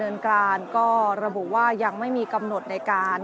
เมื่อเวลาอันดับสุดท้ายเมื่อเวลาอันดับสุดท้าย